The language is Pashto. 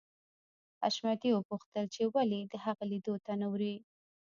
حشمتي وپوښتل چې ولې د هغه لیدو ته نه ورې